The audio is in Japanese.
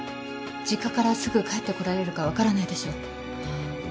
実家からすぐ帰ってこられるか分からないでしょう？